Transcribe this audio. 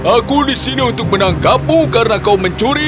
aku di sini untuk menangkapmu karena kau mencuri